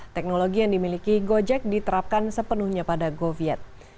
teknologi yang dimiliki gojek diterapkan sepenuhnya pada goviet